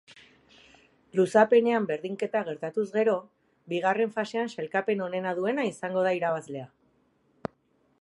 Luzapenean berdinketa gertatuz gero, bigarren fasean sailkapen onena duena izango da irabazlea.